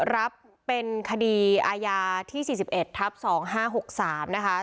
รับเป็นคดีอาญาที่๔๑ทับ๒๕๖๓นะคะ